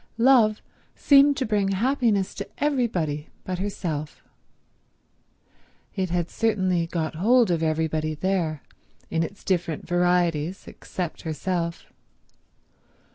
Love seemed to bring happiness to everybody but herself. It had certainly got hold of everybody there, in its different varieties, except herself.